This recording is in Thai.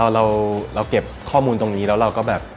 เราเก็บข้อมูลตรงนี้แล้วเราก็แบบ